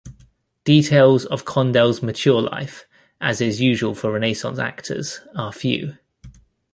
Details of Condell's mature life, as is usual for Renaissance actors, are few.